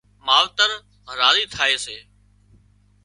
ماوتر راضي ٿائي سي